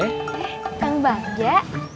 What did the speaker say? eh kang bagja